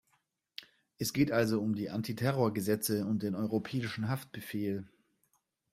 Es geht also um die Antiterrorgesetze und den Europäischen Haftbefehl.